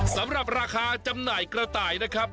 สำหรับราคาจำหน่ายกระต่ายนะครับ